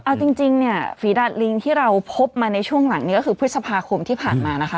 เอาจริงเนี่ยฝีดาดลิงที่เราพบมาในช่วงหลังนี้ก็คือพฤษภาคมที่ผ่านมานะคะ